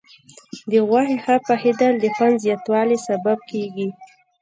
د غوښې ښه پخېدل د خوند زیاتوالي سبب کېږي.